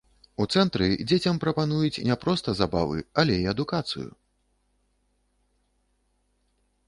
У цэнтры дзецям прапануюць не проста забавы, але і адукацыю.